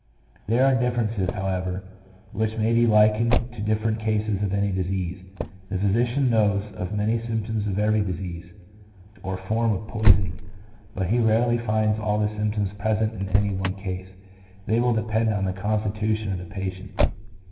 There are differences, however, which may be likened to different cases of any disease. The physician knows of many symptoms of every disease, or form of poisoning, but he rarely finds all the symptoms present in any one case; they will depend on the constitution of the patient.